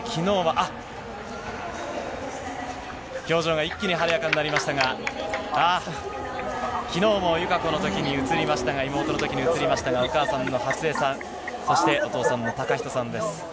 あっ、表情が一気に晴れやかになりましたが、ああ、きのうも友香子のときに映りましたが、妹のときに映りましたが、お母さんのはつえさん、そしてお父さんのたかひとさんです。